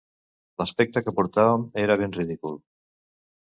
L'aspecte que portàvem era ben ridícul.